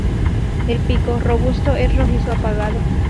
El pico, robusto, es rojizo apagado.